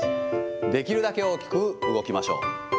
できるだけ大きく動きましょう。